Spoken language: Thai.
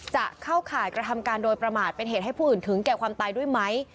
จะเข้าข่ายกระทำการโดยประมาทเป็นเหตุให้ผู้อื่นถึงแก่ความตายด้วยไหม